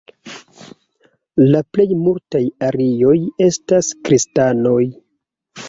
La plej multaj arioj estas kristanoj.